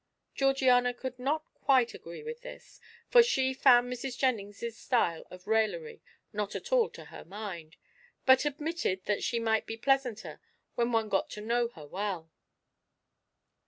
Georgiana could not quite agree with this, for she found Mrs. Jennings's style of raillery not at all to her mind, but admitted that she might be pleasanter when one got to know her well.